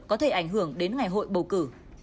có thể ảnh hưởng đến ngày hội bầu cử